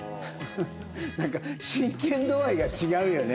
なんか真剣度合いが違うよね。